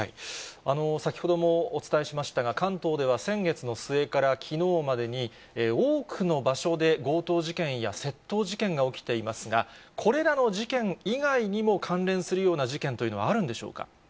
先ほどもお伝えしましたが、関東では先月の末からきのうまでに、多くの場所で強盗事件や窃盗事件が起きていますが、これらの事件以外にも関連するような事件というのはあるんでしょ